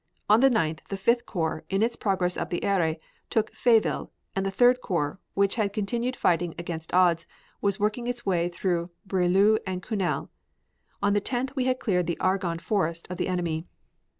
On the 9th the Fifth Corps, in its progress up the Aire, took Fleville, and the Third Corps, which had continuous fighting against odds, was working its way through Brieulles and Cunel. On the 10th we had cleared the Argonne Forest of the enemy.